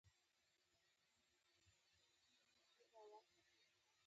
پیاز په سلاد کې زیات کارېږي